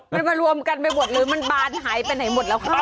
มันมารวมกันไปหมดหรือมันบานหายไปไหนหมดแล้วครับ